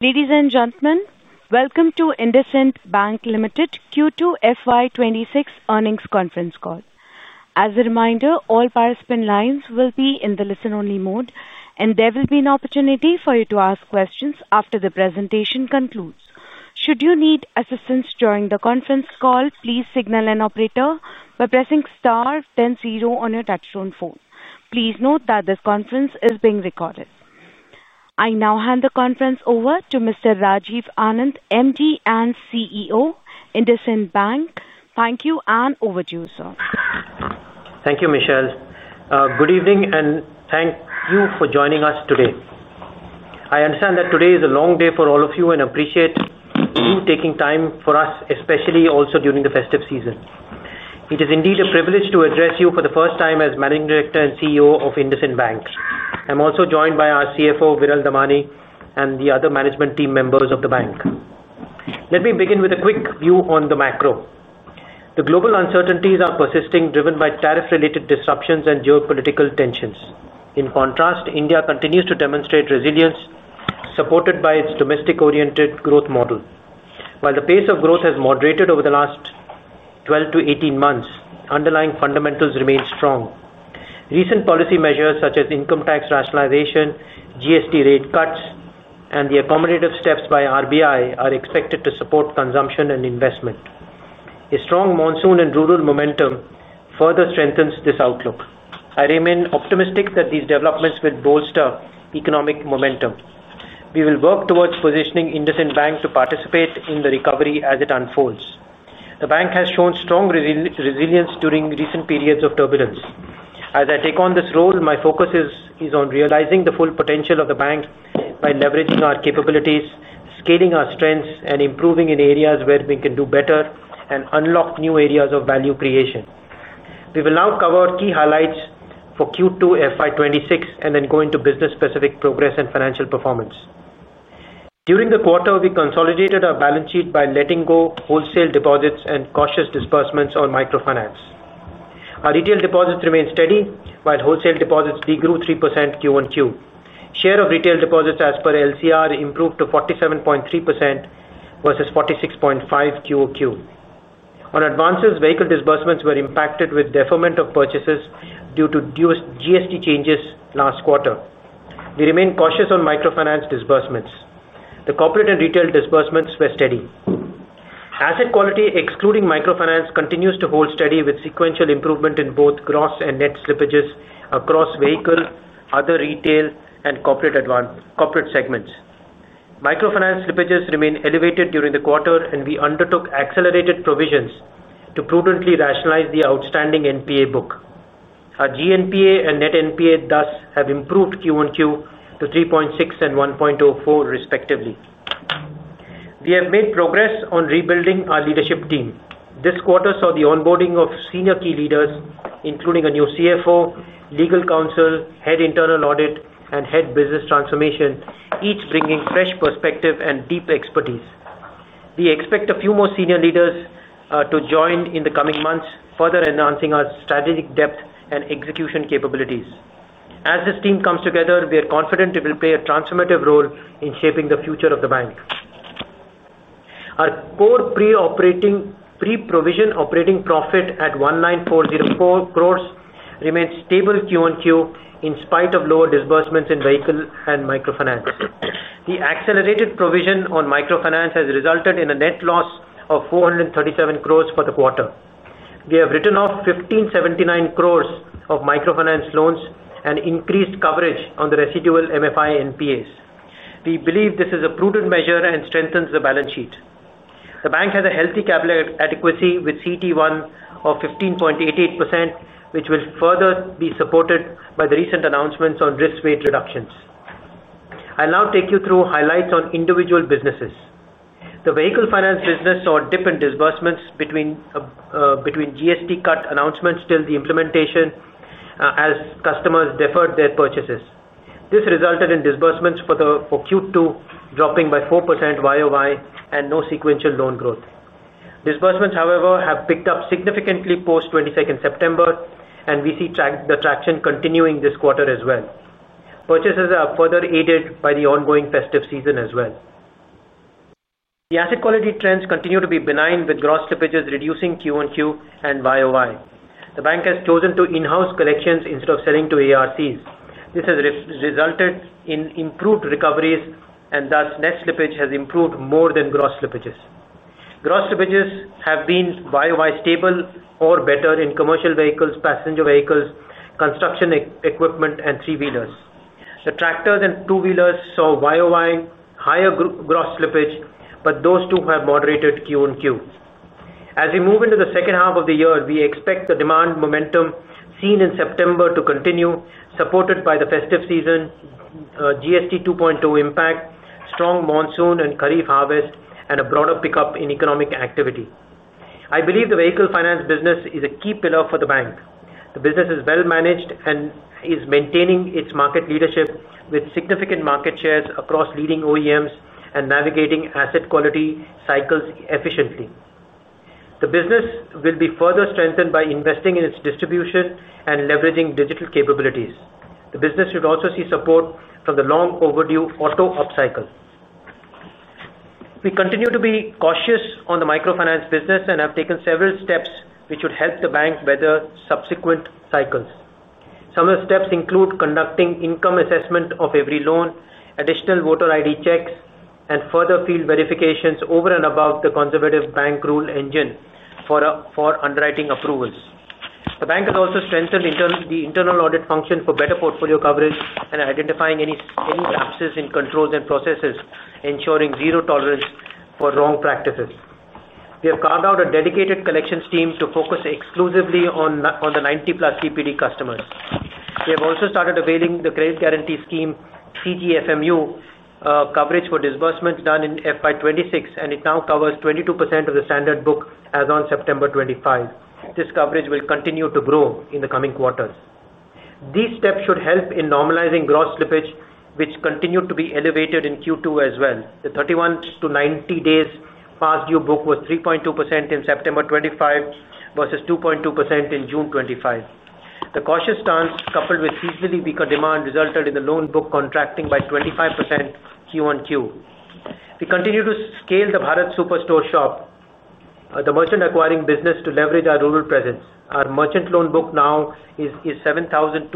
Ladies and gentlemen, welcome to IndusInd Bank Limited Q2 FY 2026 earnings conference call. As a reminder, all participant lines will be in the listen-only mode, and there will be an opportunity for you to ask questions after the presentation concludes. Should you need assistance during the conference call, please signal an operator by pressing star then zero on your touchtone phone. Please note that this conference is being recorded. I now hand the conference over to Mr. Rajiv Anand, MD and CEO, IndusInd Bank. Thank you and over to you, sir. Thank you, Michelle. Good evening and thank you for joining us today. I understand that today is a long day for all of you, and I appreciate you taking time for us, especially also during the festive season. It is indeed a privilege to address you for the first time as Managing Director and CEO of IndusInd Bank. I'm also joined by our CFO, Viral Damania, and the other management team members of the bank. Let me begin with a quick view on the macro. The global uncertainties are persisting, driven by tariff-related disruptions and geopolitical tensions. In contrast, India continues to demonstrate resilience, supported by its domestic-oriented growth model. While the pace of growth has moderated over the last 12-18 months, underlying fundamentals remain strong. Recent policy measures, such as income tax rationalization, GST rate cuts, and the accommodative steps by RBI, are expected to support consumption and investment. A strong monsoon in rural momentum further strengthens this outlook. I remain optimistic that these developments will bolster economic momentum. We will work towards positioning IndusInd Bank to participate in the recovery as it unfolds. The bank has shown strong resilience during recent periods of turbulence. As I take on this role, my focus is on realizing the full potential of the bank by leveraging our capabilities, scaling our strengths, and improving in areas where we can do better and unlock new areas of value creation. We will now cover key highlights for Q2 FY 2026 and then go into business-specific progress and financial performance. During the quarter, we consolidated our balance sheet by letting go of wholesale deposits and cautious disbursements on microfinance. Our retail deposits remain steady, while wholesale deposits did grow 3% QoQ. Share of retail deposits, as per LCR, improved to 47.3% versus 46.5% QoQ. On advances, vehicle disbursements were impacted with deferment of purchases due to GST changes last quarter. We remain cautious on microfinance disbursements. The corporate and retail disbursements were steady. Asset quality, excluding microfinance, continues to hold steady with sequential improvement in both gross and net slippages across vehicle, other retail, and corporate segments. Microfinance slippages remain elevated during the quarter, and we undertook accelerated provisions to prudently rationalize the outstanding NPA book. Our GNPA and net NPA thus have improved QoQ to 3.6% and 1.04%, respectively. We have made progress on rebuilding our leadership team. This quarter saw the onboarding of senior key leaders, including a new CFO, Legal Counsel, Head Internal Audit, and Head Business Transformation, each bringing fresh perspective and deep expertise. We expect a few more senior leaders to join in the coming months, further enhancing our strategic depth and execution capabilities. As this team comes together, we are confident it will play a transformative role in shaping the future of the bank. Our core pre-provision operating profit at 1,940 crores remains stable QoQ in spite of lower disbursements in vehicle and microfinance. The accelerated provision on microfinance has resulted in a net loss of 437 crores for the quarter. We have written off 1,579 crores of microfinance loans and increased coverage on the residual microfinance NPAs. We believe this is a prudent measure and strengthens the balance sheet. The bank has a healthy capital adequacy with CET1 of 15.88%, which will further be supported by the recent announcements on risk rate reductions. I'll now take you through highlights on individual businesses. The vehicle finance business saw dip in disbursements between GST cut announcements till the implementation as customers deferred their purchases. This resulted in disbursements for Q2 dropping by 4% YoY and no sequential loan growth. Disbursements, however, have picked up significantly post 22nd September, and we see the traction continuing this quarter as well. Purchases are further aided by the ongoing festive season as well. The asset quality trends continue to be benign, with gross slippages reducing QoQ and YoY. The bank has chosen to in-house collections instead of selling to ARCs. This has resulted in improved recoveries, and thus net slippage has improved more than gross slippages. Gross slippages have been YoY stable or better in commercial vehicles, passenger vehicles, construction equipment, and three-wheelers. The tractors and two-wheelers saw YoY higher gross slippage, but those two have moderated QoQ. As we move into the second half of the year, we expect the demand momentum seen in September to continue, supported by the festive season, GST 2.2% impact, strong monsoon and kharif harvest, and a broader pickup in economic activity. I believe the Vehicle finance business is a key pillar for the bank. The business is well managed and is maintaining its market leadership with significant market shares across leading OEMs and navigating asset quality cycles efficiently. The business will be further strengthened by investing in its distribution and leveraging digital capabilities. The business should also see support from the long-overdue auto upcycle. We continue to be cautious on the microfinance business and have taken several steps which would help the bank weather subsequent cycles. Some of the steps include conducting income assessment of every loan, additional Voter ID checks, and further field verifications over and above the conservative bank rule engine for underwriting approvals. The bank has also strengthened the internal audit function for better portfolio coverage and identifying any gaps in controls and processes, ensuring zero tolerance for wrong practices. We have carved out a dedicated collections team to focus exclusively on the 90+ DPD customers. We have also started availing the credit guarantee scheme, CGFMU, coverage for disbursements done in FY 2026, and it now covers 22% of the standard book as on September 2025. This coverage will continue to grow in the coming quarters. These steps should help in normalizing gross slippage, which continued to be elevated in Q2 as well. The 31-90 days past due book was 3.2% in September 2025 versus 2.2% in June 2025. The cautious stance, coupled with seasonally weaker demand, resulted in the loan book contracting by 25% QOQ. We continue to scale the Bharat Super Store Shop, the merchant acquiring business, to leverage our rural presence. Our merchant loan book now is 7,262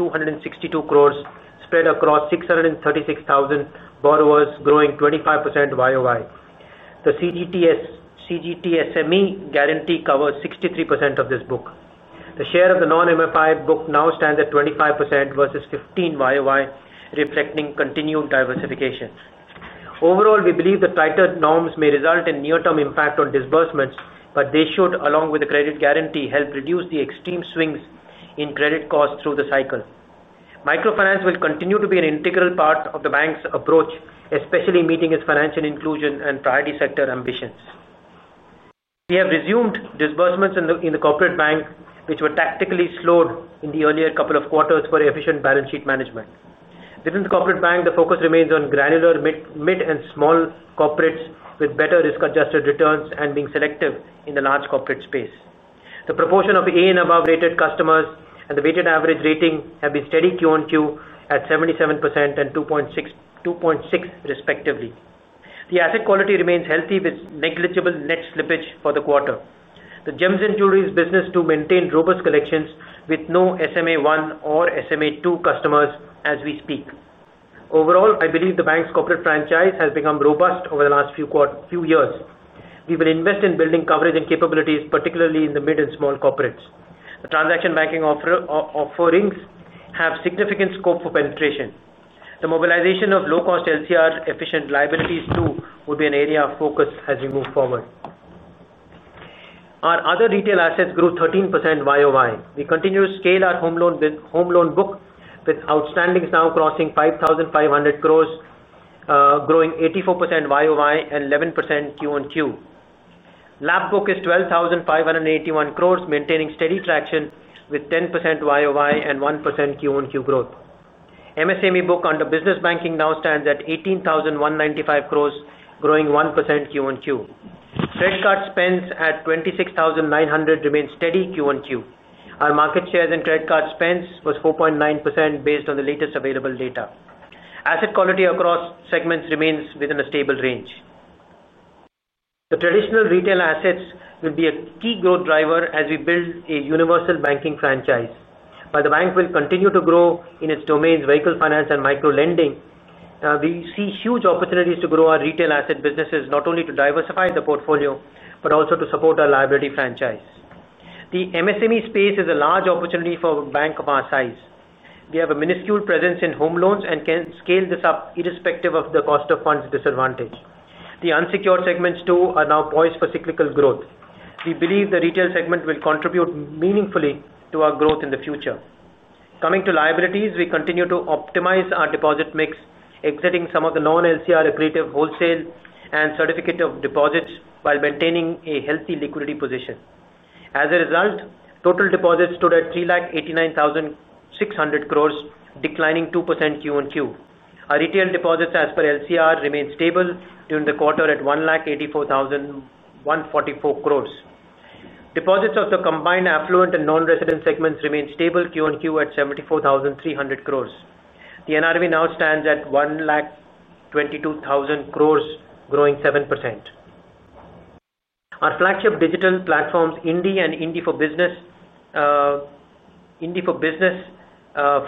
crores, spread across 636,000 borrowers, growing 25% YoY. The CGTSME guarantee covers 63% of this book. The share of the non-MFI book now stands at 25% versus 15% YoY, reflecting continued diversification. Overall, we believe the tighter norms may result in near-term impact on disbursements, but they should, along with the credit guarantee, help reduce the extreme swings in credit costs through the cycle. Microfinance will continue to be an integral part of the bank's approach, especially meeting its financial inclusion and priority sector ambitions. We have resumed disbursements in the corporate bank, which were tactically slowed in the earlier couple of quarters for efficient balance sheet management. Within the corporate bank, the focus remains on granular mid and small corporates with better risk-adjusted returns and being selective in the large corporate space. The proportion of A and above rated customers and the weighted average rating have been steady QoQ at 77% and 2.6, respectively. The asset quality remains healthy with negligible net slippage for the quarter. The Gems & Jewellery business continues to maintain robust collections with no SMA1 or SMA2 customers as we speak. Overall, I believe the bank's corporate franchise has become robust over the last few years. We will invest in building coverage and capabilities, particularly in the mid and small corporates. The transaction banking offerings have significant scope for penetration. The mobilization of low-cost LCR efficient liabilities, too, will be an area of focus as we move forward. Our other retail assets grew 13% YoY. We continue to scale our home loan book with outstandings now crossing 5,500 crores, growing 84% YoY and 11% QoQ. LAP book is 12,581 crores, maintaining steady traction with 10% YoY and 1% QoQ growth. MSME book under business banking now stands at 18,195 crores, growing 1% QoQ. Credit card spends at 26,900 crores remain steady QoQ. Our market shares in credit card spends were 4.9% based on the latest available data. Asset quality across segments remains within a stable range. The traditional retail assets will be a key growth driver as we build a universal banking franchise. While the bank will continue to grow in its domains, vehicle finance and microfinance lending, we see huge opportunities to grow our retail asset businesses, not only to diversify the portfolio but also to support our liability franchise. The MSME space is a large opportunity for a bank of our size. We have a minuscule presence in home loans and can scale this up irrespective of the cost of funds disadvantage. The unsecured segments, too, are now poised for cyclical growth. We believe the retail segment will contribute meaningfully to our growth in the future. Coming to liabilities, we continue to optimize our deposit mix, exiting some of the non-LCR accretive wholesale and certificate of deposits while maintaining a healthy liquidity position. As a result, total deposits stood at 3,89,600 crores, declining 2% QoQ. Our retail deposits, as per LCR, remain stable during the quarter at 1,84,144 crores. Deposits of the combined Affluent and Non-Resident segments remain stable QoQ at 74,300 crores. The NRV now stands at 1,22,000 crores, growing 7% YoY. Our flagship digital platforms, Indie and Indie for Business, for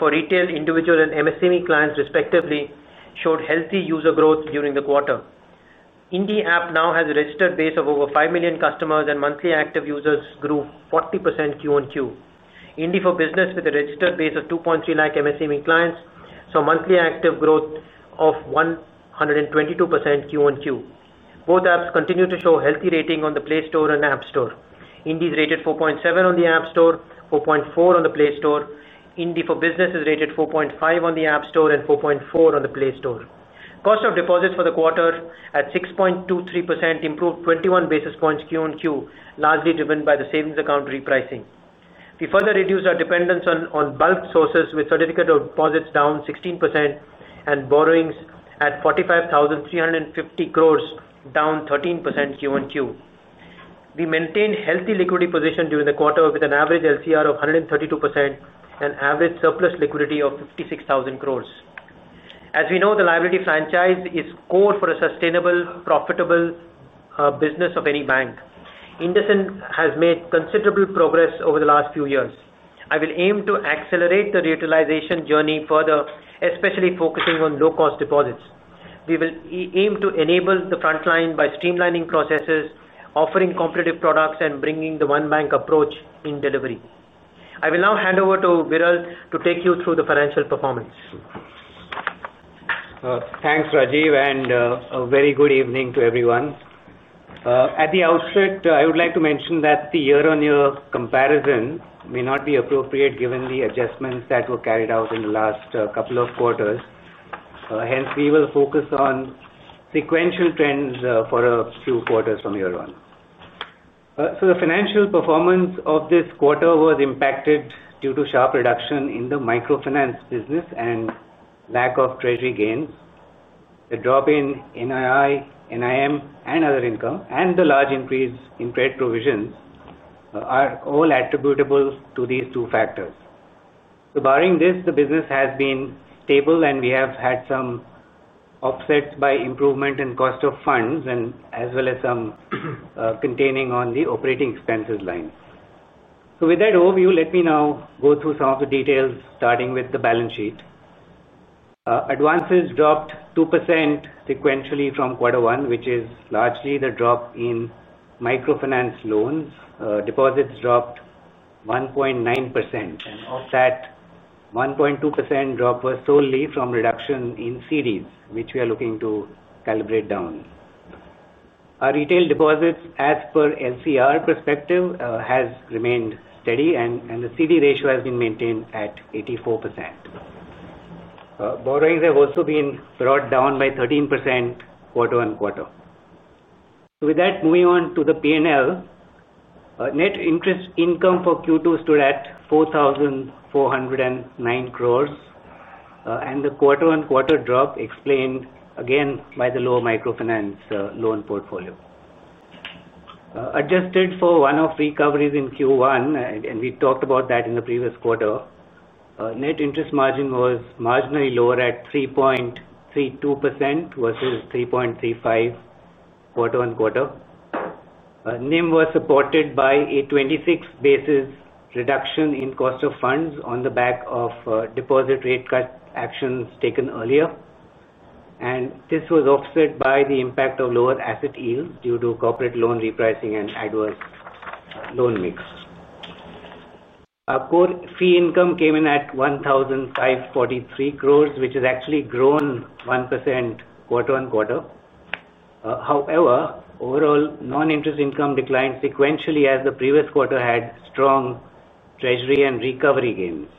retail, individual, and MSME clients, respectively, showed healthy user growth during the quarter. Indie app now has a registered base of over 5 million customers, and monthly active users grew 40% QoQ. INDIE for Business, with a registered base of 2.3 L MSME clients, saw monthly active growth of 122% QoQ. Both apps continue to show healthy rating on the Play Store and App Store. INDIE is rated 4.7 on the App Store, 4.4 on the Play Store. Indie for Business is rated 4.5 on the App Store and 4.4 on the Play Store. Cost of deposits for the quarter at 6.23% improved 21 basis points QoQ, largely driven by the savings account repricing. We further reduced our dependence on bulk sources, with certificate of deposits down 16% and borrowings at 45,350 crores down 13% QoQ. We maintained a healthy liquidity position during the quarter, with an average LCR of 132% and average surplus liquidity of 56,000 crores. As we know, the liability franchise is core for a sustainable, profitable business of any bank. IndusInd Bank has made considerable progress over the last few years. I will aim to accelerate the reutilization journey further, especially focusing on low-cost deposits. We will aim to enable the front line by streamlining processes, offering competitive products, and bringing the one-bank approach in delivery. I will now hand over to Viral to take you through the financial performance. Thanks, Rajiv, and a very good evening to everyone. At the outset, I would like to mention that the year-on-year comparison may not be appropriate given the adjustments that were carried out in the last couple of quarters. Hence, we will focus on sequential trends for a few quarters from year on. The financial performance of this quarter was impacted due to sharp reduction in the microfinance business and lack of treasury gains. The drop in NII, NIM, and other income, and the large increase in trade provisions are all attributable to these two factors. Barring this, the business has been stable, and we have had some offsets by improvement in cost of funds and as well as some containing on the operating expenses line. With that overview, let me now go through some of the details, starting with the balance sheet. Advances dropped 2% sequentially from quarter one, which is largely the drop in microfinance loans. Deposits dropped 1.9%, and of that, a 1.2% drop was solely from reduction in CDs, which we are looking to calibrate down. Our retail deposits, as per LCR perspective, have remained steady, and the CD ratio has been maintained at 84%. Borrowings have also been brought down by 13% quarter-on-quarter. With that, moving on to the P&L, net interest income for Q2 stood at 4,409 crores, and the quarter-on-quarter drop explained again by the lower microfinance loan portfolio. Adjusted for one-off recoveries in Q1, and we talked about that in the previous quarter, net interest margin was marginally lower at 3.32% versus 3.35% quarter-on-quarter. NIM was supported by a 26 basis reduction in cost of funds on the back of deposit rate cut actions taken earlier, and this was offset by the impact of lower asset yields due to corporate loan repricing and adverse loan mix. Our core fee income came in at 1,543 crores, which has actually grown 1% quarter-on-quarter. However, overall, non-interest income declined sequentially as the previous quarter had strong treasury and recovery gains.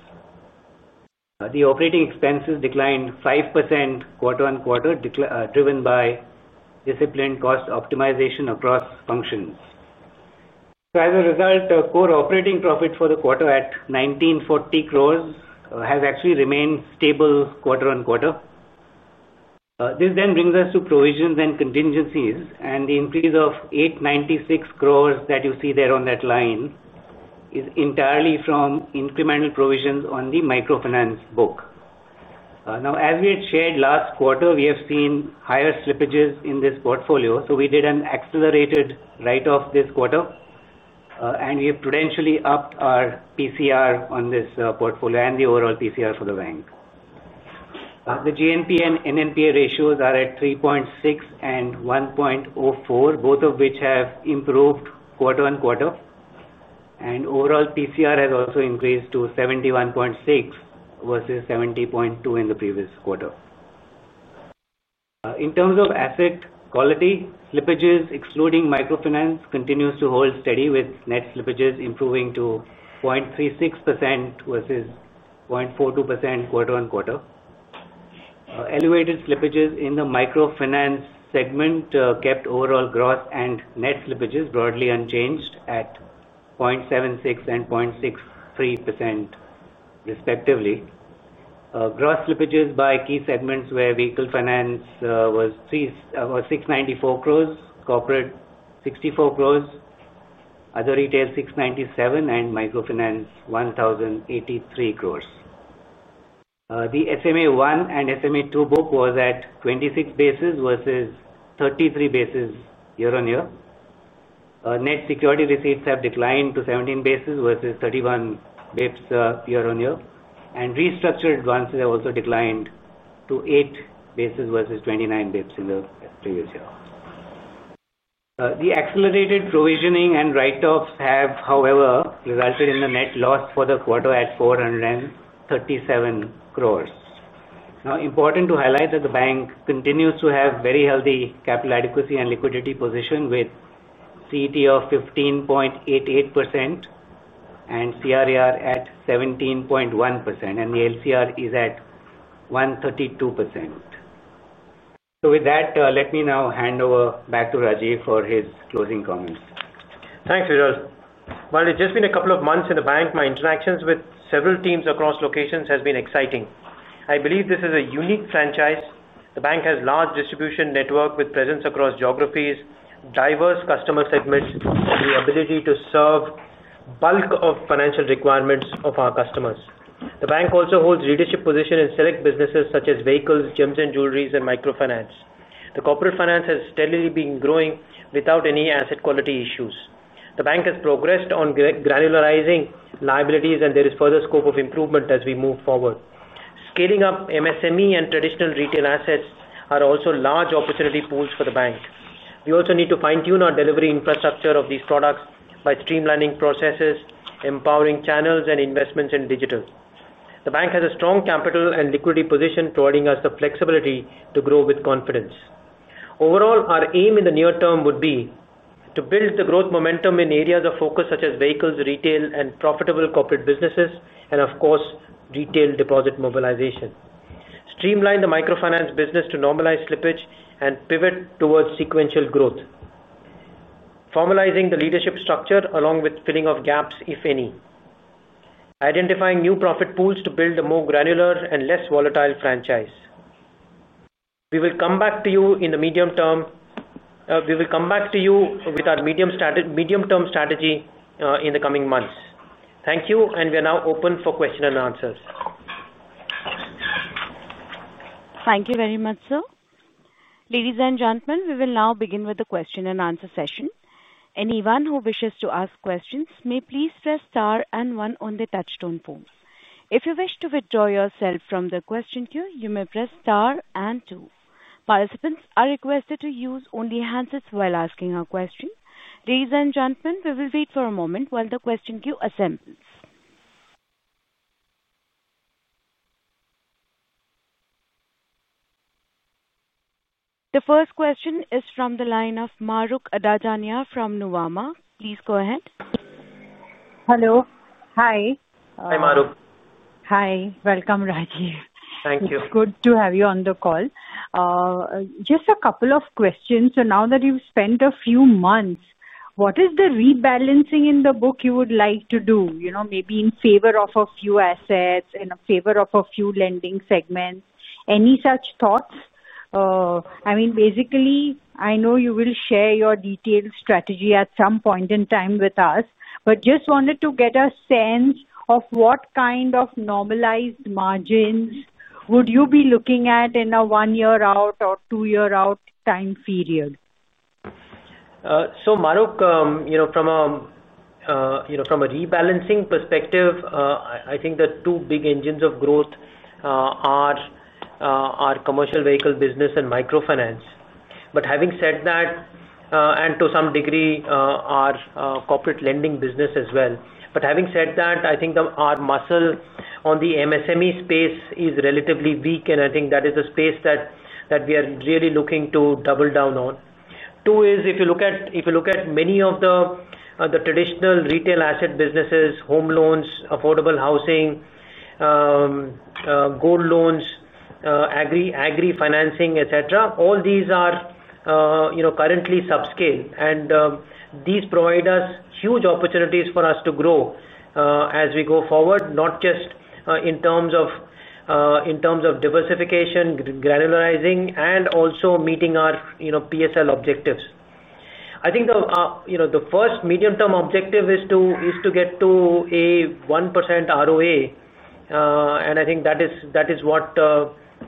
The operating expenses declined 5% quarter-on-quarter, driven by disciplined cost optimization across functions. As a result, core operating profit for the quarter at 1,940 crores has actually remained stable quarter-on-quarter. This then brings us to provisions and contingencies, and the increase of 896 crores that you see there on that line is entirely from incremental provisions on the microfinance book. As we had shared last quarter, we have seen higher slippages in this portfolio, so we did an accelerated write-off this quarter, and we have prudentially upped our PCR on this portfolio and the overall PCR for the bank. The GNP and NNP ratios are at 3.6 and 1.04, both of which have improved quarter-on-quarter, and overall PCR has also increased to 71.6% versus 70.2% in the previous quarter. In terms of asset quality, slippages, excluding microfinance, continue to hold steady, with net slippages improving to 0.36% versus 0.42% quarter-on-quarter. Elevated slippages in the microfinance segment kept overall gross and net slippages broadly unchanged at 0.76% and 0.63%, respectively. Gross slippages by key segments were vehicle finance was 694 crores, corporate 64 crores, other retail 697 crores, and microfinance 1,083 crores. The SMA1 and SMA2 book was at 26 basis versus 33 basis year-on-year. Net security receipts have declined to 17 basis points s versus 31 basis points year-on-year, and restructured advances have also declined to 8 bps versus 29 bps in the previous year. The accelerated provisioning and write-offs have, however, resulted in the net loss for the quarter at 437 crores. It is important to highlight that the bank continues to have very healthy capital adequacy and liquidity position with CET1 of 15.88% and CRR at 17.1%, and the LCR is at 132%. Let me now hand over back to Rajiv for his closing comments. Thanks, Viral. While it's just been a couple of months in the bank, my interactions with several teams across locations have been exciting. I believe this is a unique franchise. The bank has a large distribution network with presence across geographies, diverse customer segments, and the ability to serve a bulk of financial requirements of our customers. The bank also holds a leadership position in select businesses such as Vehicle finance, Gems & Jewellery, and microfinance. The corporate finance has steadily been growing without any asset quality issues. The bank has progressed on granularizing liabilities, and there is further scope of improvement as we move forward. Scaling up MSME and traditional retail assets are also large opportunity pools for the bank. We also need to fine-tune our delivery infrastructure of these products by streamlining processes, empowering channels, and investments in digital. The bank has a strong capital and liquidity position, providing us the flexibility to grow with confidence. Overall, our aim in the near term would be to build the growth momentum in areas of focus such as vehicle finance, retail, and profitable corporate businesses, and of course, retail deposit mobilization. Streamline the microfinance business to normalize slippage and pivot towards sequential growth, formalizing the leadership structure along with filling of gaps, if any, identifying new profit pools to build a more granular and less volatile franchise. We will come back to you with our medium-term strategy in the coming months. Thank you, and we are now open for questions and answers. Thank you very much, sir. Ladies and gentlemen, we will now begin with the question and answer session. Anyone who wishes to ask questions may please press star and one on the touchtone phone. If you wish to withdraw yourself from the question queue, you may press star and two. Participants are requested to use only handsets while asking a question. Ladies and gentlemen, we will wait for a moment while the question queue assembles. The first question is from the line of Mahrukh Adajania from Nuvama. Please go ahead. Hello. Hi. Hi, Mahrukh. Hi. Welcome, Rajiv. Thank you. It's good to have you on the call. Just a couple of questions. Now that you've spent a few months, what is the rebalancing in the book you would like to do? Maybe in favor of a few assets, in favor of a few lending segments. Any such thoughts? I know you will share your detailed strategy at some point in time with us, but just wanted to get a sense of what kind of normalized margins would you be looking at in a one-year out or two-year out time period. Maruk, you know, from a rebalancing perspective, I think the two big engines of growth are our commercial vehicle business and microfinance. Having said that, and to some degree, our corporate lending business as well, I think our muscle on the MSME space is relatively weak, and I think that is a space that we are really looking to double down on. Two is, if you look at many of the traditional retail asset businesses, home loans, affordable housing, gold loans, agri-financing, etc., all these are currently subscaled, and these provide us huge opportunities for us to grow as we go forward, not just in terms of diversification, granularizing, and also meeting our PSL objectives. I think the first medium-term objective is to get to a 1% ROA, and I think that is what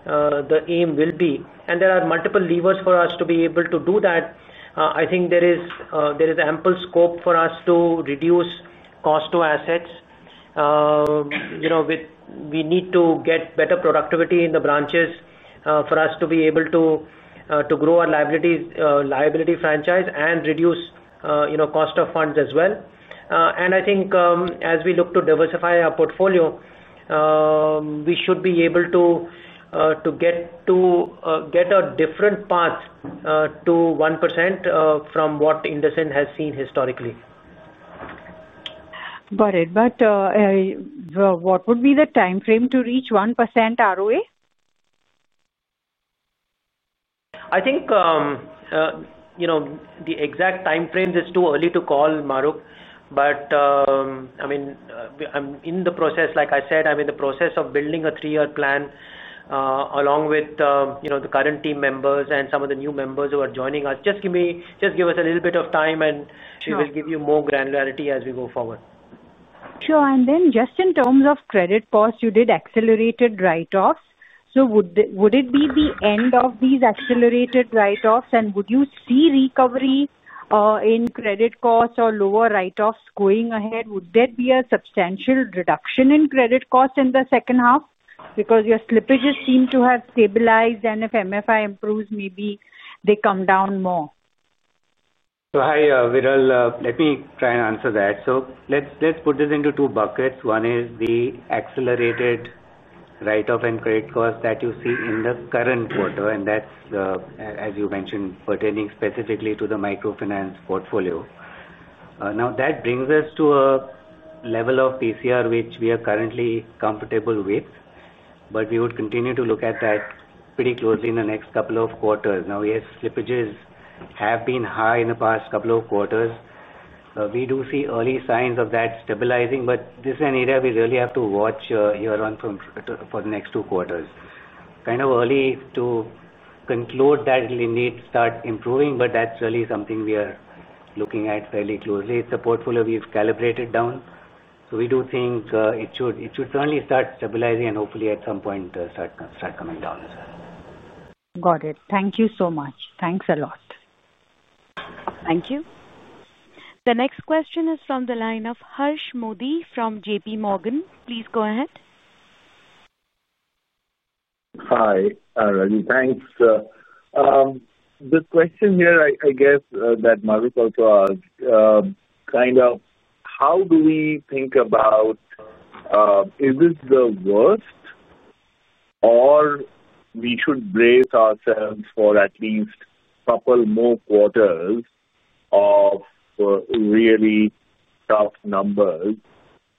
the aim will be. There are multiple levers for us to be able to do that. I think there is ample scope for us to reduce cost to assets. We need to get better productivity in the branches for us to be able to grow our liability franchise and reduce cost of funds as well. I think as we look to diversify our portfolio, we should be able to get to a different path to 1% from what IndusInd Bank has seen historically. Got it. What would be the time frame to reach 1% ROA? I think the exact time frame is too early to call, Mahrukh. I'm in the process of building a three-year plan along with the current team members and some of the new members who are joining us. Just give us a little bit of time, and we will give you more granularity as we go forward. Sure. In terms of credit costs, you did accelerated write-offs. Would it be the end of these accelerated write-offs, and would you see recovery in credit costs or lower write-offs going ahead? Would there be a substantial reduction in credit costs in the second half because your slippages seem to have stabilized? If microfinance improves, maybe they come down more. Hi, Viral. Let me try and answer that. Let's put this into two buckets. One is the accelerated write-off and credit costs that you see in the current quarter, and that's, as you mentioned, pertaining specifically to the microfinance portfolio. That brings us to a level of PCR which we are currently comfortable with, but we would continue to look at that pretty closely in the next couple of quarters. Yes, slippages have been high in the past couple of quarters. We do see early signs of that stabilizing, but this is an area we really have to watch here on for the next two quarters. It's kind of early to conclude that it'll indeed start improving, but that's really something we are looking at fairly closely. It's a portfolio we've calibrated down. We do think it should certainly start stabilizing and hopefully at some point start coming down as well. Got it. Thank you so much. Thanks a lot. Thank you. The next question is from the line of Harsh Modi from JPMorgan. Please go ahead. Hi, Rajiv. Thanks. The question here, I guess, that Mahrukh also asked, kind of how do we think about, is this the worst or we should brace ourselves for at least a couple more quarters of really tough numbers?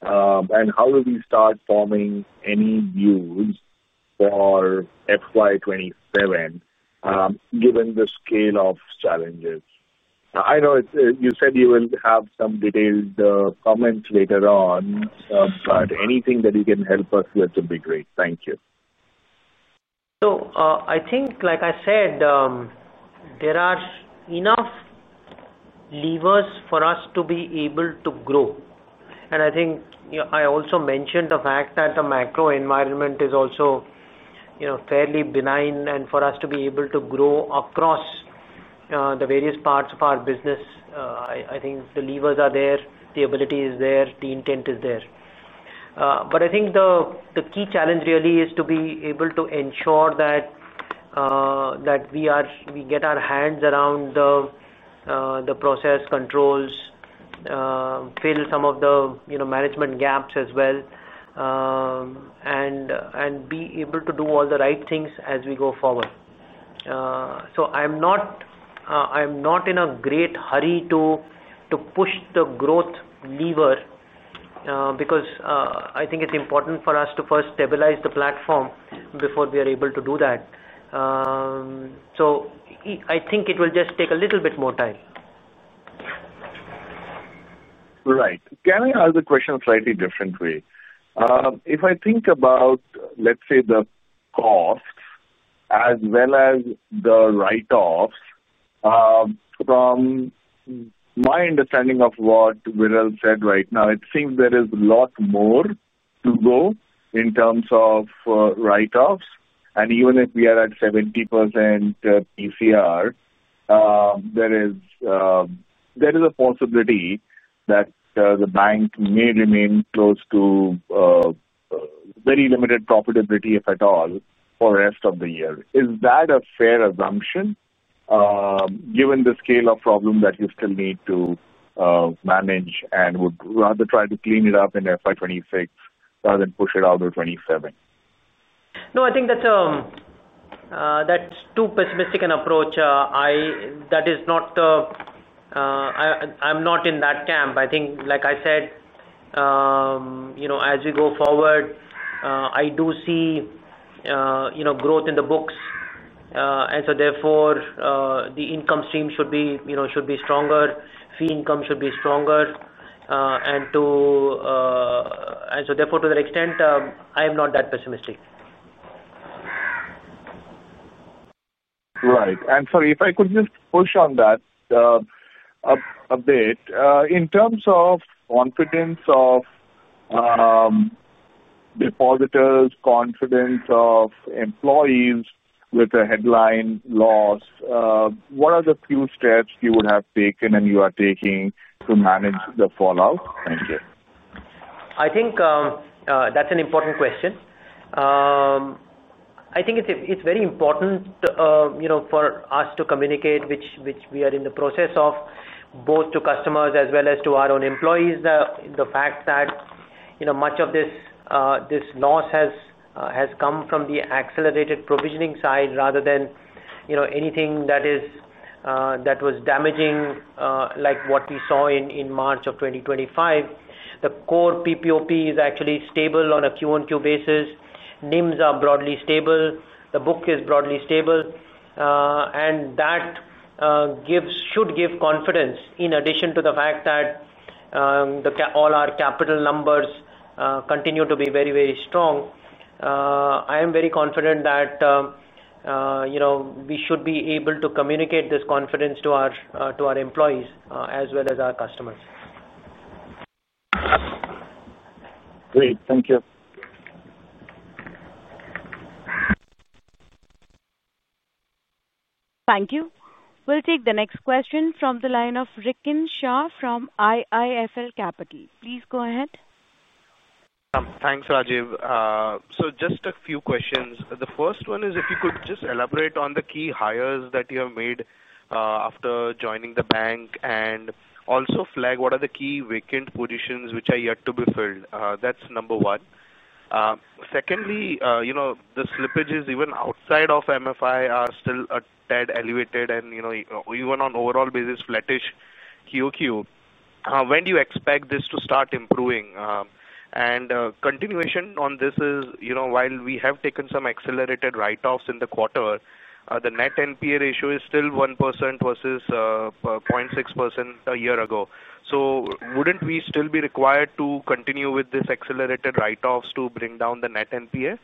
How do we start forming any views for FY 2027 given the scale of challenges? I know you said you will have some detailed comments later on, but anything that you can help us with would be great. Thank you. I think, like I said, there are enough levers for us to be able to grow. I also mentioned the fact that the macro environment is also fairly benign for us to be able to grow across the various parts of our business. I think the levers are there, the ability is there, the intent is there. I think the key challenge really is to be able to ensure that we get our hands around the process controls, fill some of the management gaps as well, and be able to do all the right things as we go forward. I'm not in a great hurry to push the growth lever because I think it's important for us to first stabilize the platform before we are able to do that. I think it will just take a little bit more time. Right. Can I ask a question a slightly different way? If I think about, let's say, the costs as well as the write-offs, from my understanding of what Viral said right now, it seems there is a lot more to go in terms of write-offs. Even if we are at 70% PCR, there is a possibility that the bank may remain close to very limited profitability, if at all, for the rest of the year. Is that a fair assumption, given the scale of problems that you still need to manage and would rather try to clean it up in FY 2026 rather than push it out to 2027? No, I think that's too pessimistic an approach. I am not in that camp. I think, like I said, as we go forward, I do see growth in the books, and therefore, the income stream should be stronger, fee income should be stronger. Therefore, to that extent, I am not that pessimistic. Right. Sorry, if I could just push on that a bit, in terms of confidence of depositors, confidence of employees with a headline loss, what are the few steps you would have taken and you are taking to manage the fallout? Thank you. I think that's an important question. I think it's very important for us to communicate, which we are in the process of, both to customers as well as to our own employees, the fact that much of this loss has come from the accelerated provisioning side rather than anything that was damaging, like what we saw in March of 2025. The core PPOP is actually stable on a QoQ basis. NIMs are broadly stable. The book is broadly stable. That should give confidence, in addition to the fact that all our capital numbers continue to be very, very strong. I am very confident that we should be able to communicate this confidence to our employees as well as our customers. Great. Thank you. Thank you. We'll take the next question from the line of Rikin Shah from IIFL Capital. Please go ahead. Thanks, Rajiv. Just a few questions. The first one is, if you could just elaborate on the key hires that you have made after joining the bank and also flag what are the key vacant positions which are yet to be filled. That's number one. Secondly, the slippages even outside of MFI are still a tad elevated and even on an overall basis flattish QoQ. When do you expect this to start improving? A continuation on this is, while we have taken some accelerated write-offs in the quarter, the net NPA ratio is still 1% versus 0.6% a year ago. Wouldn't we still be required to continue with these accelerated write-offs to bring down the net NPA?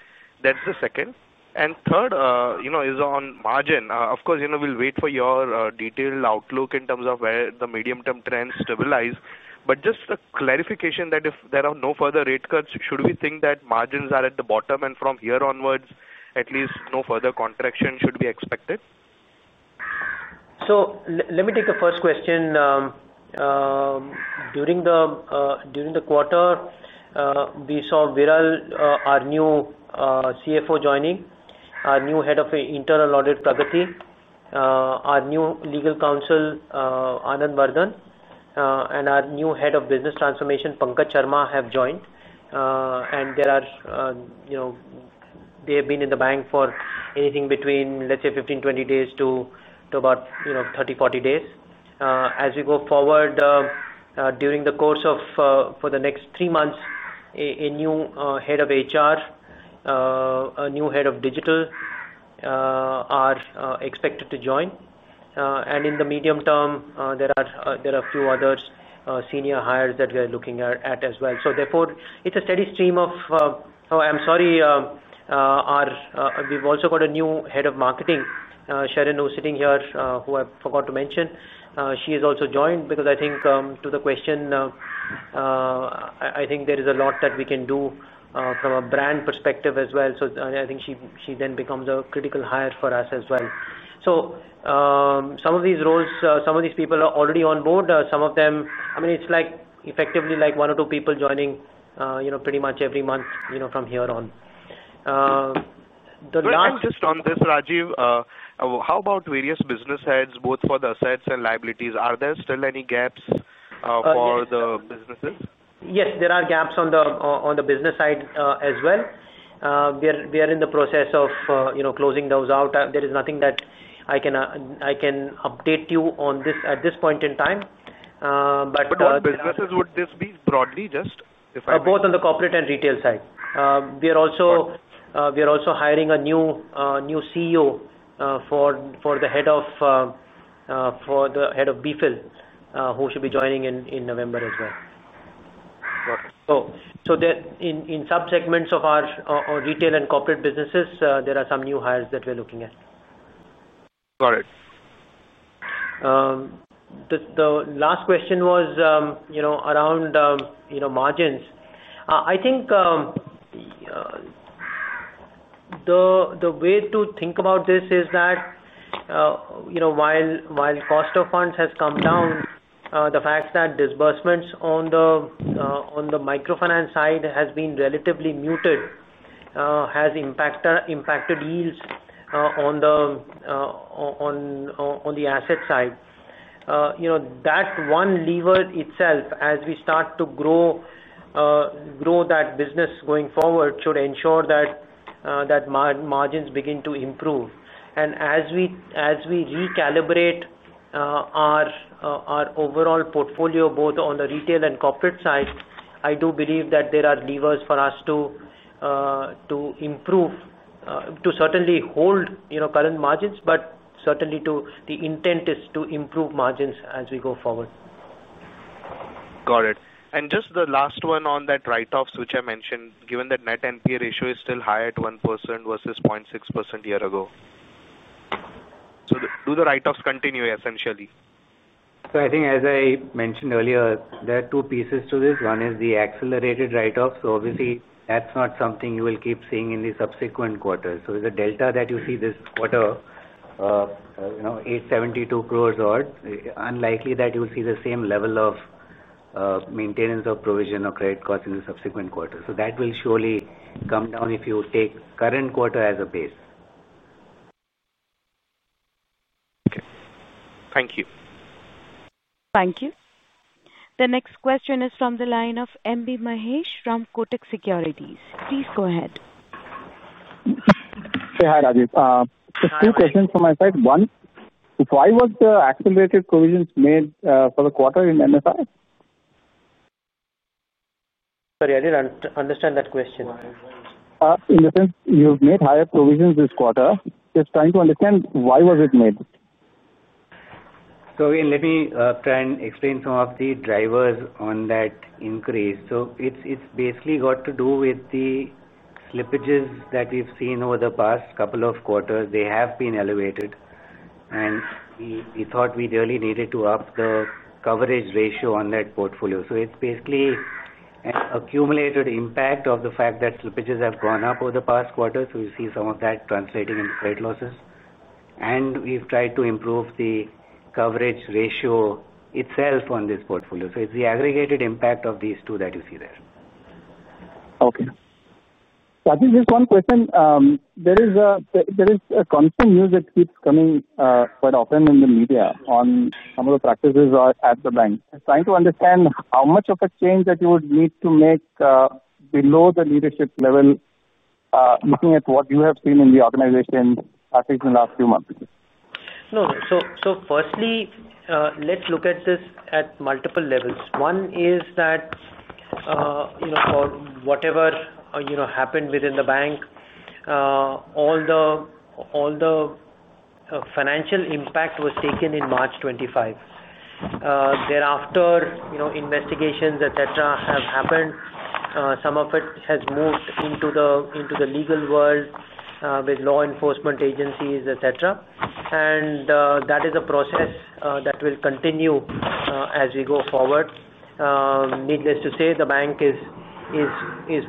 That's the second. Third is on margin. Of course, we'll wait for your detailed outlook in terms of where the medium-term trends stabilize. Just a clarification that if there are no further rate cuts, should we think that margins are at the bottom and from here onwards, at least no further contraction should be expected? Let me take the first question. During the quarter, we saw Viral, our new CFO, joining, our new Head of Internal Audit, Pragati, our new Legal Counsel, Anand Vardhan, and our new Head of Business Transformation, Pankaj Sharma, have joined. They have been in the bank for anything between, let's say, 15, 20 days to about 30, 40 days. As we go forward, during the course of the next three months, a new Head of HR and a new Head of Digital are expected to join. In the medium term, there are a few other senior hires that we are looking at as well. Therefore, it's a steady stream of—oh, I'm sorry. We've also got a new Head of Marketing, Sharon, who's sitting here, who I forgot to mention. She has also joined because I think to the question, I think there is a lot that we can do from a brand perspective as well. I think she then becomes a critical hire for us as well. Some of these roles, some of these people are already on board. Some of them, I mean, it's like effectively like one or two people joining pretty much every month from here on. The last. Just on this, Rajiv, how about various business heads, both for the assets and liabilities? Are there still any gaps for the businesses? Yes, there are gaps on the business side as well. We are in the process of closing those out. There is nothing that I can update you on at this point in time. For the businesses, would this be broadly just if I? Both on the corporate and retail side, we are also hiring a new CEO for the Head of BFIL, who should be joining in November as well. Got it. In subsegments of our retail and corporate businesses, there are some new hires that we're looking at. Got it. The last question was around margins. I think the way to think about this is that while cost of funds has come down, the fact that disbursements on the microfinance side have been relatively muted has impacted yields on the asset side. That one lever itself, as we start to grow that business going forward, should ensure that margins begin to improve. As we recalibrate our overall portfolio, both on the retail and corporate side, I do believe that there are levers for us to improve, to certainly hold current margins, but certainly the intent is to improve margins as we go forward. Got it. Just the last one on that write-offs, which I mentioned, given that net NPA ratio is still high at 1% versus 0.6% a year ago. Do the write-offs continue, essentially? I think, as I mentioned earlier, there are two pieces to this. One is the accelerated write-offs. Obviously, that's not something you will keep seeing in the subsequent quarters. The delta that you see this quarter, 872 crores odd, is unlikely that you will see the same level of maintenance of provision or credit costs in the subsequent quarter. That will surely come down if you take the current quarter as a base. Okay, thank you. Thank you. The next question is from the line of M B Mahesh from Kotak Securities. Please go ahead. Say hi, Rajiv. Just two questions from my side. One, why was the accelerated provisions made for the quarter in MSME? Sorry, I didn't understand that question. In the sense you've made higher provisions this quarter, just trying to understand why was it made? Let me try and explain some of the drivers on that increase. It's basically got to do with the slippages that we've seen over the past couple of quarters. They have been elevated. We thought we really needed to up the coverage ratio on that portfolio. It's basically an accumulated impact of the fact that slippages have gone up over the past quarter. We see some of that translating into credit losses, and we've tried to improve the coverage ratio itself on this portfolio. It's the aggregated impact of these two that you see there. Okay. I think just one question. There is a constant news that keeps coming quite often in the media on some of the practices at the bank. Trying to understand how much of a change that you would need to make below the leadership level, looking at what you have seen in the organization in the last few months. No, no. Firstly, let's look at this at multiple levels. One is that for whatever happened within the bank, all the financial impact was taken in March 2025. Thereafter, investigations, etc., have happened. Some of it has moved into the legal world with law enforcement agencies, etc. That is a process that will continue as we go forward. Needless to say, the bank is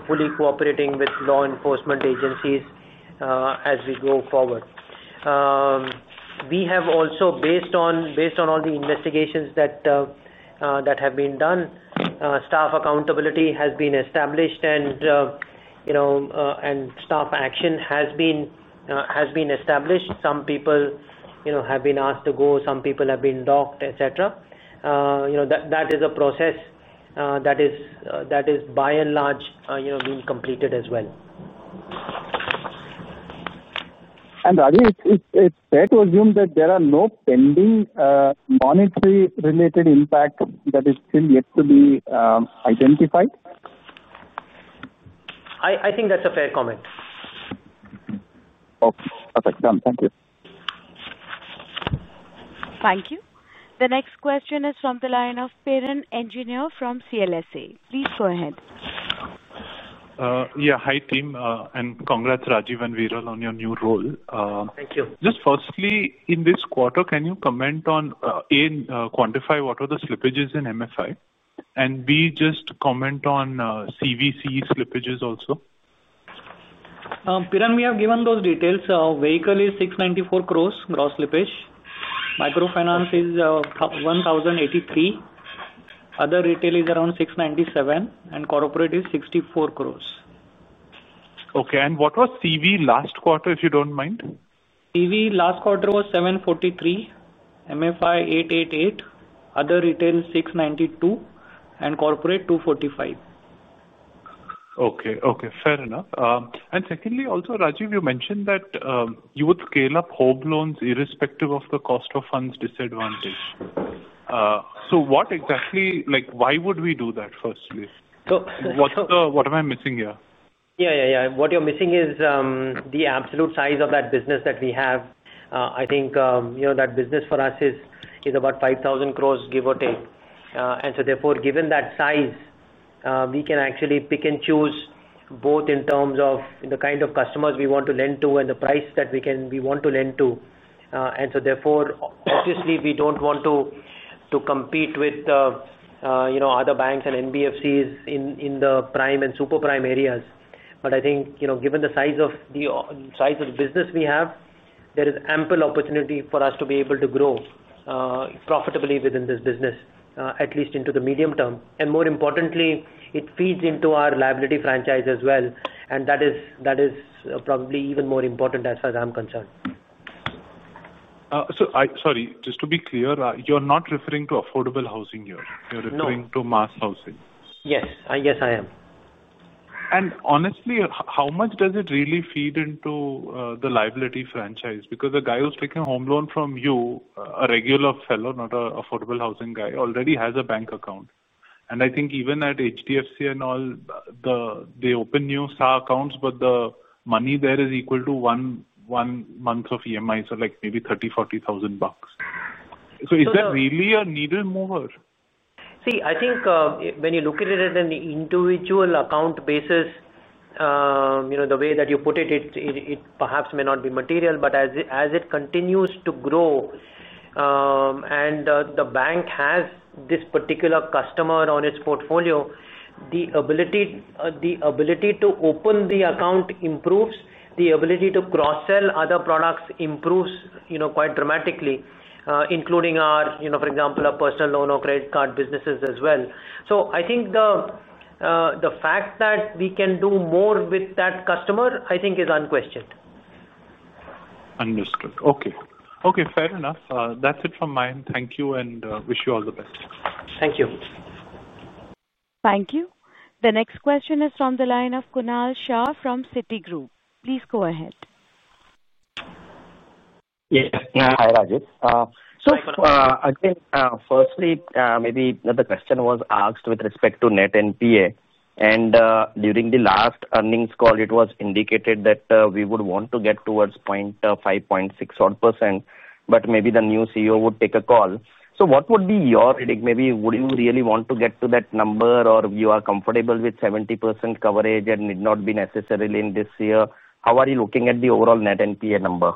fully cooperating with law enforcement agencies as we go forward. We have also, based on all the investigations that have been done, staff accountability has been established and staff action has been established. Some people have been asked to go, some people have been docked, etc. That is a process that is, by and large, being completed as well. Rajiv, it's fair to assume that there are no pending monetary-related impacts that are still yet to be identified? I think that's a fair comment. Okay. Perfect. Done. Thank you. Thank you. The next question is from the line of Piran Engineer from CLSA. Please go ahead. Yeah. Hi, team, and congrats, Rajiv and Viral, on your new role. Thank you. Just firstly, in this quarter, can you comment on, A, quantify what are the slippages in microfinance? B, just comment on corporate loans slippages also? Peran, we have given those details. Our vehicle is 694 crores gross slippage. Microfinance is 1,083 crores. Other retail is around 697 crores, and corporate is 64 crores. Okay, what was CV last quarter, if you don't mind? CV last quarter was 743, MFI 888, other retail 692, and corporate 245. Okay. Fair enough. Secondly, Rajiv, you mentioned that you would scale up home loans irrespective of the cost of funds disadvantage. What exactly, like why would we do that, firstly? What am I missing here? What you're missing is the absolute size of that business that we have. I think that business for us is about 5,000 crores, give or take. Therefore, given that size, we can actually pick and choose both in terms of the kind of customers we want to lend to and the price that we want to lend to. Obviously, we don't want to compete with other banks and NBFCs in the prime and super prime areas. I think, given the size of the business we have, there is ample opportunity for us to be able to grow profitably within this business, at least into the medium term. More importantly, it feeds into our liability franchise as well. That is probably even more important as far as I'm concerned. I'm sorry. Just to be clear, you're not referring to affordable housing here, you're referring to mass housing. Yes, I am. Honestly, how much does it really feed into the liability franchise? Because the guy who's taking a home loan from you, a regular fellow, not an affordable housing guy, already has a bank account. I think even at HDFC and all, they open new [SA accounts, but the money there is equal to one month of EMI, so like maybe 30,000, INR 40,000. Is that really a needle mover? I think when you look at it at an individual account basis, the way that you put it, it perhaps may not be material, but as it continues to grow and the bank has this particular customer on its portfolio, the ability to open the account improves. The ability to cross-sell other products improves quite dramatically, including, for example, our personal loan or credit card businesses as well. I think the fact that we can do more with that customer is unquestioned. Understood. Okay. Fair enough. That's it from my end. Thank you and wish you all the best. Thank you. Thank you. The next question is from the line of Kunal Shah from Citigroup. Please go ahead. Yes. Hi, Rajiv. Firstly, maybe the question was asked with respect to net NPA. During the last earnings call, it was indicated that we would want to get towards 5.6% odd, but maybe the new CEO would take a call. What would be your reading? Would you really want to get to that number or are you comfortable with 70% coverage and it not being necessary in this year? How are you looking at the overall net NPA number?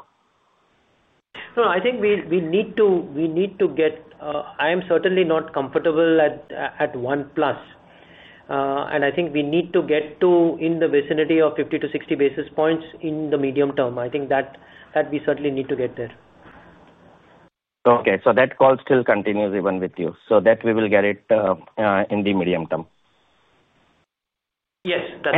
No, I think we need to get, I am certainly not comfortable at 1 plus. I think we need to get to in the vicinity of 50 basis points-60 basis points in the medium term. I think that we certainly need to get there. Okay. That call still continues even with you, so that we will get it in the medium term. Yes, that's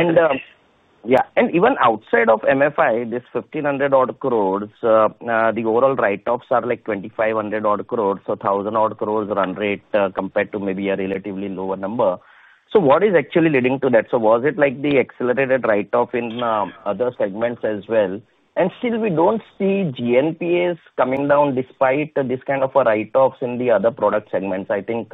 correct. Even outside of microfinance, this 1,500 odd crores, the overall write-offs are like 2,500 odd crores. 1,000 odd crores run rate compared to maybe a relatively lower number. What is actually leading to that? Was it like the accelerated write-off in other segments as well? Still, we don't see GNPAs coming down despite this kind of write-offs in the other product segments. I think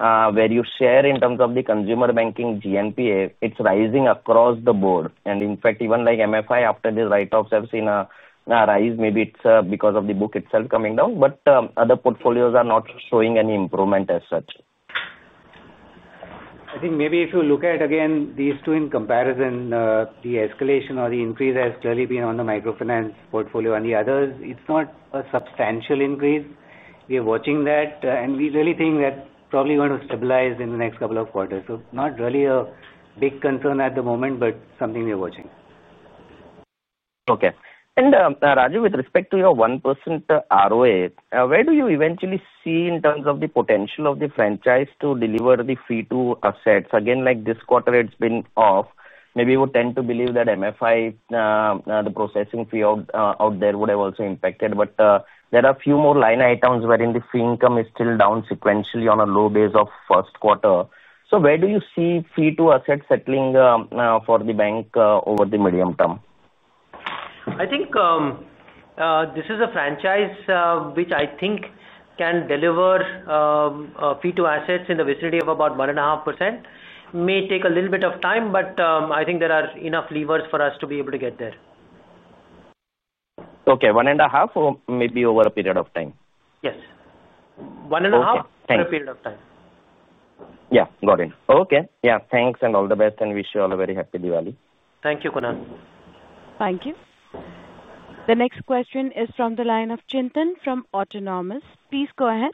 where you share in terms of the consumer banking GNPA, it's rising across the board. In fact, even like microfinance, after these write-offs, I've seen a rise. Maybe it's because of the book itself coming down, but other portfolios are not showing any improvement as such. I think if you look at, again, these two in comparison, the escalation or the increase has clearly been on the microfinance portfolio. On the others, it's not a substantial increase. We are watching that, and we really think that's probably going to stabilize in the next couple of quarters. It's not really a big concern at the moment, but something we are watching. Rajiv, with respect to your 1% ROA, where do you eventually see in terms of the potential of the franchise to deliver the fee to assets? This quarter, it's been off. We would tend to believe that microfinance, the processing fee out there, would have also impacted. There are a few more line items wherein the fee income is still down sequentially on a low base of first quarter. Where do you see fee to assets settling for the bank over the medium term? I think this is a franchise which I think can deliver fee to assets in the vicinity of about 1.5%. It may take a little bit of time, but I think there are enough levers for us to be able to get there. Okay. 1.5% or maybe over a period of time? Yes, 1.5% over a period of time. Got it. Okay. Thanks and all the best, and wish you all a very happy Diwali. Thank you, Kunal. Thank you. The next question is from the line of Chintan from Autonomous. Please go ahead.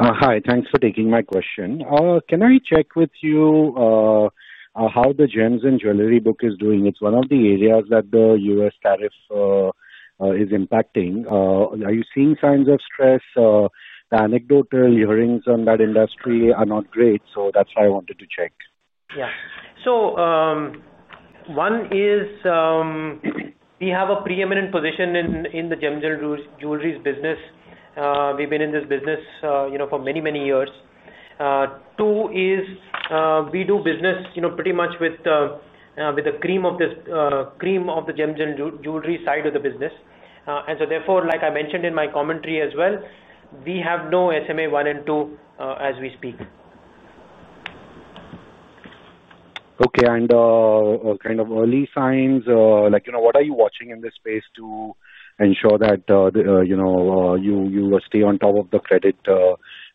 Hi. Thanks for taking my question. Can I check with you how the Gems & Jewellery book is doing? It's one of the areas that the U.S. tariff is impacting. Are you seeing signs of stress? The anecdotal hearings on that industry are not great, so that's why I wanted to check. Yeah. One is we have a preeminent position in the gem jewelry business. We've been in this business for many, many years. Two is we do business pretty much with the cream of the gem jewelry side of the business. Therefore, like I mentioned in my commentary as well, we have no SMA 1 and 2 as we speak. Okay. Kind of early signs, like what are you watching in this space to ensure that you stay on top of the credit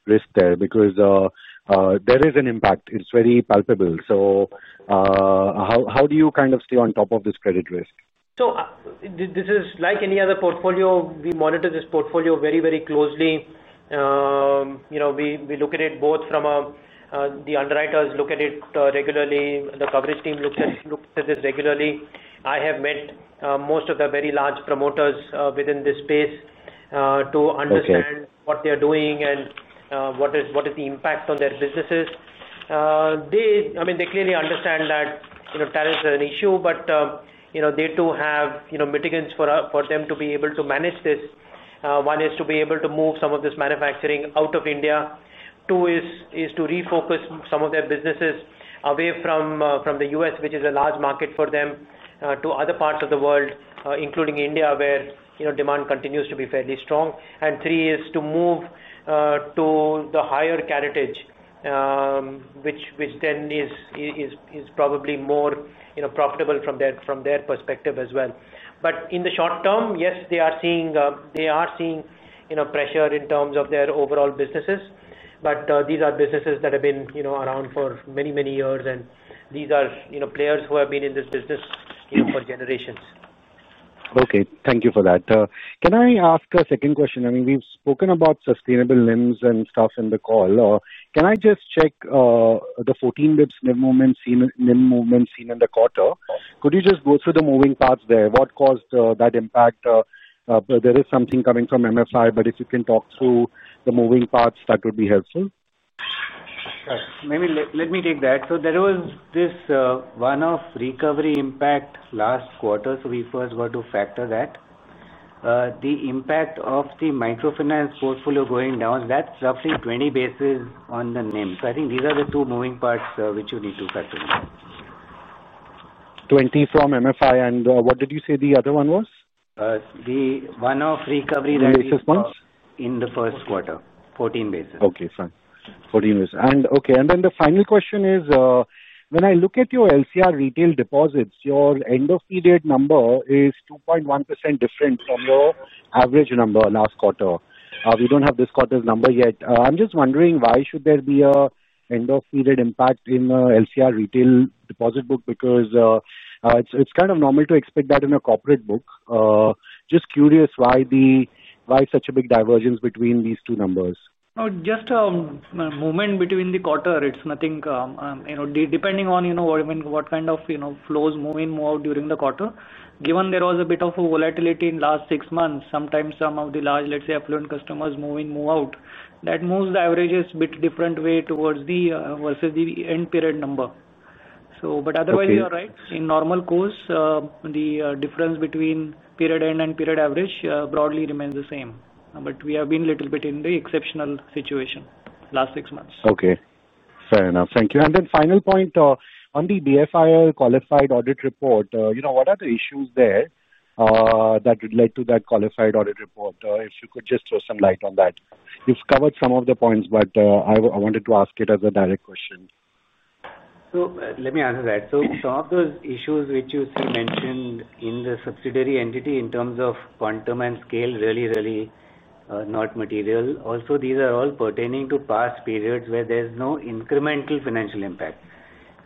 risk there? There is an impact. It's very palpable. How do you kind of stay on top of this credit risk? This is like any other portfolio. We monitor this portfolio very, very closely. You know, we look at it both from the underwriters who look at it regularly. The coverage team looks at this regularly. I have met most of the very large promoters within this space to understand what they're doing and what is the impact on their businesses. They clearly understand that tariffs are an issue, but they too have mitigants for them to be able to manage this. One is to be able to move some of this manufacturing out of India. Two is to refocus some of their businesses away from the U.S., which is a large market for them, to other parts of the world, including India, where demand continues to be fairly strong. Three is to move to the higher carriage, which then is probably more profitable from their perspective as well. In the short term, yes, they are seeing pressure in terms of their overall businesses. These are businesses that have been around for many, many years, and these are players who have been in this business for generations. Okay. Thank you for that. Can I ask a second question? I mean, we've spoken about sustainable limbs and stuff in the call. Can I just check the 14 NIM movements seen in the quarter? Could you just go through the moving parts there? What caused that impact? There is something coming from microfinance, but if you can talk through the moving parts, that would be helpful. Got it. Maybe let me take that. There was this one-off recovery impact last quarter, so we first were to factor that. The impact of the microfinance portfolio going down, that's roughly 20 bps on the NIM. I think these are the two moving parts which you need to factor in. 20 from microfinance. What did you say the other one was? The one-off recovery. Basis points? In the first quarter, 14 basis points. Okay. Fine. 14 basis. The final question is, when I look at your LCR retail deposits, your end-of-period number is 2.1% different from your average number last quarter. We don't have this quarter's number yet. I'm just wondering, why should there be an end-of-period impact in the LCR retail deposit book? It's kind of normal to expect that in a corporate book. Just curious why such a big divergence between these two numbers. Oh, just a movement between the quarter. It's nothing. Depending on what kind of flows move in, move out during the quarter, given there was a bit of volatility in the last six months, sometimes some of the large, let's say, affluent customers move in, move out. That moves the averages a bit different way towards the versus the end period number. Otherwise, you're right. In normal course, the difference between period end and period average broadly remains the same. We have been a little bit in the exceptional situation last six months. Okay. Fair enough. Thank you. The final point, on the BFIR qualified audit report, what are the issues there that would lead to that qualified audit report? If you could just throw some light on that. You've covered some of the points, but I wanted to ask it as a direct question. Let me answer that. Some of those issues which you mentioned in the subsidiary entity in terms of quantum and scale really are not material. Also, these are all pertaining to past periods where there's no incremental financial impact.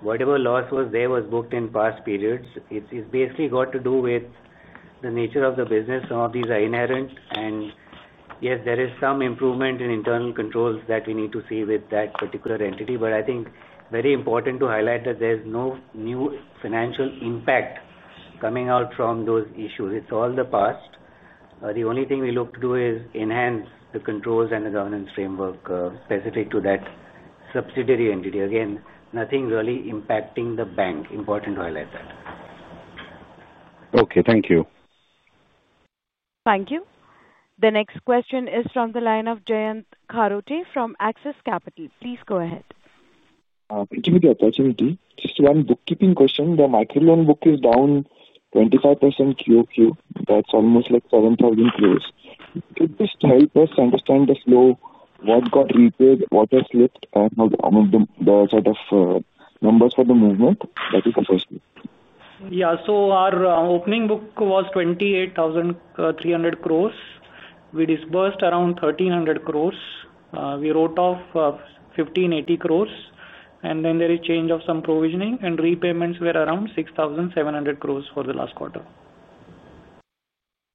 Whatever loss was there was booked in past periods. It's basically got to do with the nature of the business. Some of these are inherent. Yes, there is some improvement in internal controls that we need to see with that particular entity. I think it's very important to highlight that there's no new financial impact coming out from those issues. It's all the past. The only thing we look to do is enhance the controls and the governance framework specific to that subsidiary entity. Again, nothing really impacting the bank. Important to highlight that. Okay, thank you. Thank you. The next question is from the line of Jayant Karote from Access Capital. Please go ahead. Thank you for the opportunity. Just one bookkeeping question. The microfinance loan book is down 25% QoQ. That's almost like 7,000 crores. Could you just help us understand the flow, what got repaid, what has slipped, and the sort of numbers for the movement? That is the first thing. Yeah. Our opening book was 28,300 crores. We disbursed around 1,300 crores. We wrote off 1,580 crores, and there is a change of some provisioning. Repayments were around 6,700 crores for the last quarter.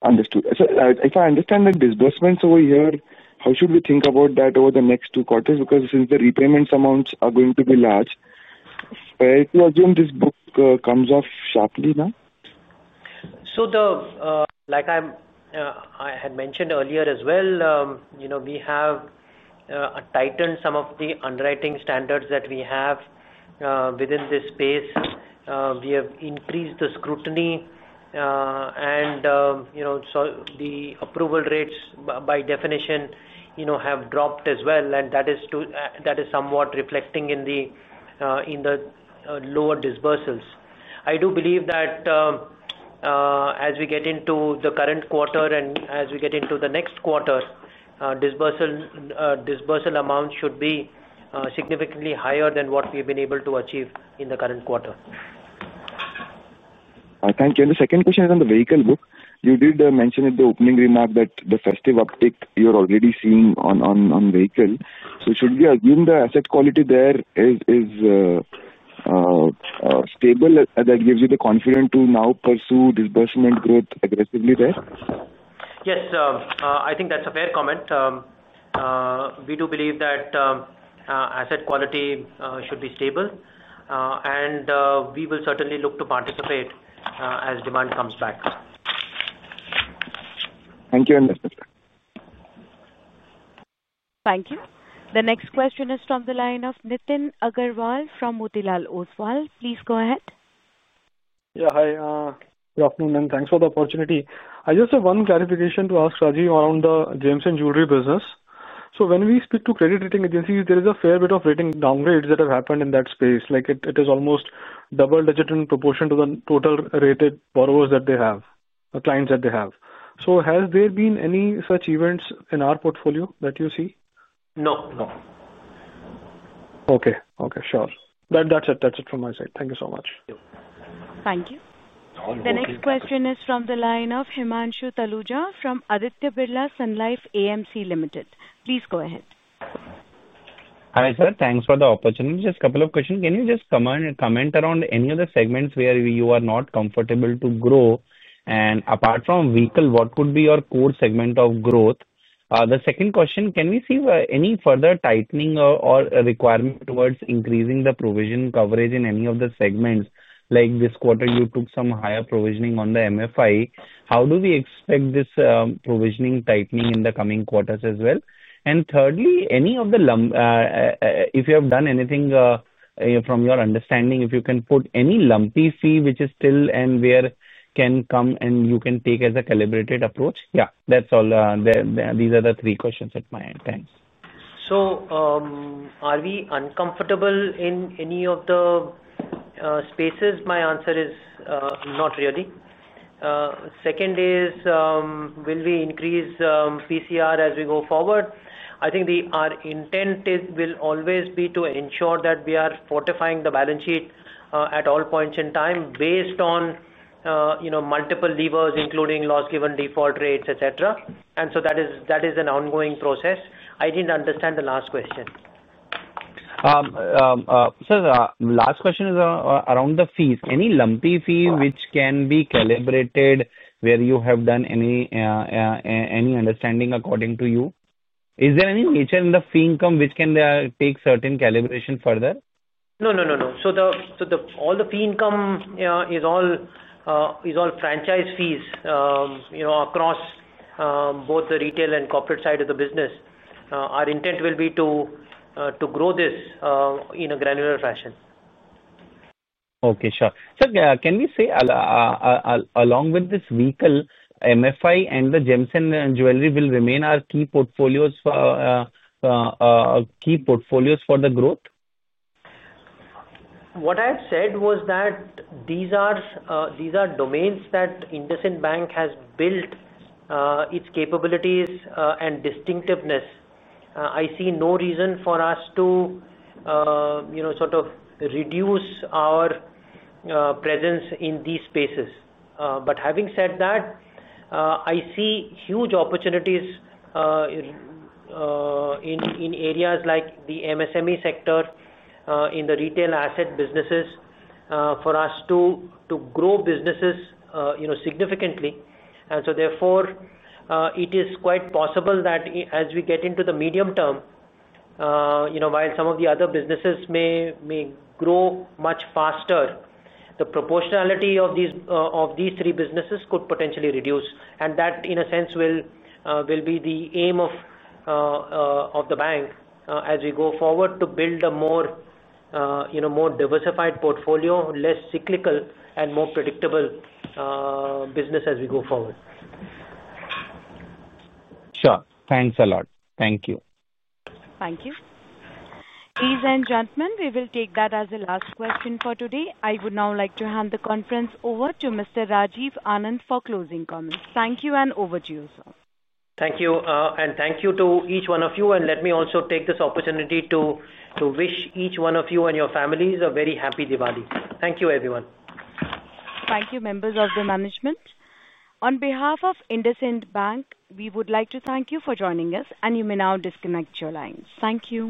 Understood. If I understand, disbursements over a year, how should we think about that over the next two quarters? Since the repayment amounts are going to be large, is it fair to assume this book comes off sharply now? Like I had mentioned earlier as well, we have tightened some of the underwriting standards that we have within this space. We have increased the scrutiny, so the approval rates, by definition, have dropped as well. That is somewhat reflecting in the lower disbursals. I do believe that as we get into the current quarter and as we get into the next quarter, disbursal amounts should be significantly higher than what we've been able to achieve in the current quarter. Thank you. The second question is on the vehicle book. You did mention in the opening remark that the festive uptick you're already seeing on vehicle. Should we assume the asset quality there is stable? That gives you the confidence to now pursue disbursement growth aggressively there? Yes, I think that's a fair comment. We do believe that asset quality should be stable, and we will certainly look to participate as demand comes back. Thank you. Thank you. The next question is from the line of Nitin Aggarwal from Motilal Oswal. Please go ahead. Yeah. Hi. Good afternoon, and thanks for the opportunity. I just have one clarification to ask Rajiv around the Gems & Jewellery business. When we speak to credit rating agencies, there is a fair bit of rating downgrades that have happened in that space. It is almost double-digit in proportion to the total rated borrowers that they have, clients that they have. Has there been any such events in our portfolio that you see? No, no. Okay. Sure. That's it from my side. Thank you so much. Thank you. Thank you. The next question is from the line of Himanshu Taluja from Aditya Birla Sunlife AMC Limited. Please go ahead. Hi, sir. Thanks for the opportunity. Just a couple of questions. Can you just comment around any of the segments where you are not comfortable to grow? Apart from vehicle, what could be your core segment of growth? The second question, can we see any further tightening or requirement towards increasing the provision coverage in any of the segments? Like this quarter, you took some higher provisioning on the microfinance. How do we expect this provisioning tightening in the coming quarters as well? Thirdly, if you have done anything from your understanding, if you can put any lumpy fee which is still and where can come and you can take as a calibrated approach? That's all. These are the three questions at my end. Thanks. Are we uncomfortable in any of the spaces? My answer is not really. Will we increase PCR as we go forward? I think our intent will always be to ensure that we are fortifying the balance sheet at all points in time based on multiple levers, including loss given default rates, etc. That is an ongoing process. I didn't understand the last question. Sir, the last question is around the fees. Any lumpy fee which can be calibrated where you have done any understanding according to you? Is there any nature in the fee income which can take certain calibration further? All the fee income is all franchise fees across both the retail and corporate side of the business. Our intent will be to grow this in a granular fashion. Okay. Sure. Sir, can we say along with this vehicle, microfinance, and the Gems & Jewellery will remain our key portfolios for the growth? What I have said was that these are domains that IndusInd Bank has built its capabilities and distinctiveness. I see no reason for us to sort of reduce our presence in these spaces. Having said that, I see huge opportunities in areas like the MSME sector, in the retail asset businesses for us to grow businesses significantly. Therefore, it is quite possible that as we get into the medium term, while some of the other businesses may grow much faster, the proportionality of these three businesses could potentially reduce. That, in a sense, will be the aim of the bank as we go forward to build a more diversified portfolio, less cyclical, and more predictable business as we go forward. Sure, thanks a lot. Thank you. Thank you. Ladies and gentlemen, we will take that as the last question for today. I would now like to hand the conference over to Mr. Rajiv Anand for closing comments. Thank you and over to you, sir. Thank you. Thank you to each one of you. Let me also take this opportunity to wish each one of you and your families a very happy Diwali. Thank you, everyone. Thank you, members of the management. On behalf of IndusInd Bank, we would like to thank you for joining us, and you may now disconnect your lines. Thank you.